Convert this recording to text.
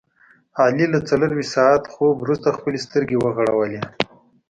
علي له څلوریشت ساعته خوب ورسته خپلې سترګې وغړولې.